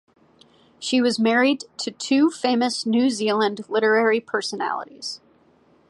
She was married to two famous New Zealand literary personalities.